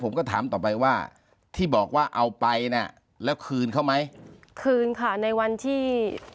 ผมก็ถามต่อไปว่าที่บอกว่าเอาไปน่ะแล้วคืนเขาไหมคืนค่ะในวันที่